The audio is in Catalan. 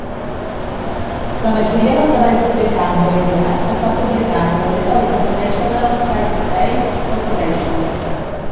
La majoria del treball publicat de Benguiat es va publicar a través de la International Typeface Corporation.